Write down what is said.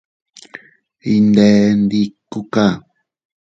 Iyndè ndikuka.